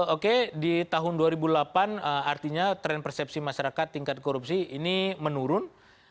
oke di tahun dua ribu delapan artinya tren persepsi masyarakat tingkat korupsi ini menurun